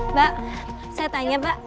mbak saya tanya mbak